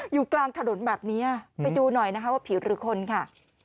อยู่กลางถนนแบบนี้ไปดูหน่อยนะคะว่าผิวหรือคนค่ะ